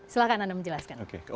silahkan anda menjelaskan